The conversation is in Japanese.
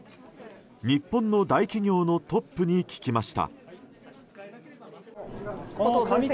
日本の大企業のトップに聞きました。